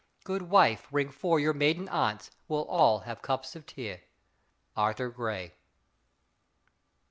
Good wife, ring for your maiden aunts, We'll all have cups of tea. ARTHUR GRAY.